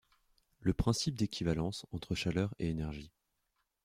le principe d'équivalence entre chaleur et énergie.